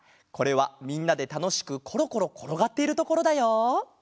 これはみんなでたのしくコロコロころがっているところだよ。